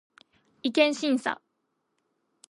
違憲審査